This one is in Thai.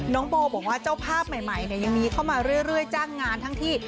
น้องโบบอกว่าเจ้าภาพใหม่ยังมีเข้ามาเรื่อยจ้างงานทั้งที่